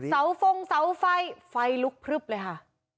เสาฟงเสาไฟไฟลุกพรึบเลยฮะ